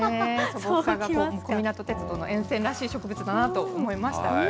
素朴さが小湊鉄道の沿線らしい植物だなと思いました。